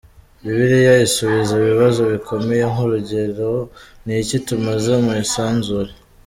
Bibiliya isubiza ibibazo bikomeye nk’urugero ‘Niki tumaze mu isanzure ?.